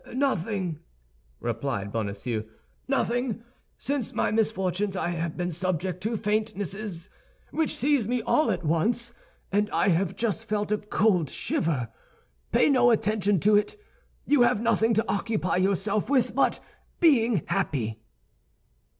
"Nothing," replied Bonacieux, "nothing. Since my misfortunes I have been subject to faintnesses, which seize me all at once, and I have just felt a cold shiver. Pay no attention to it; you have nothing to occupy yourself with but being happy."